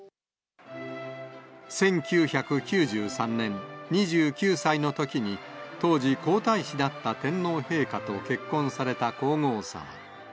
１９９３年、２９歳のときに、当時皇太子だった天皇陛下と結婚された皇后さま。